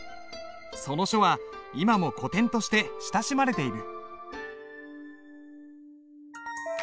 その書は今も古典として親しまれている。